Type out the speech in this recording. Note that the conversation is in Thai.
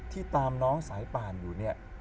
ตามน้องสายป่านอยู่เนี่ย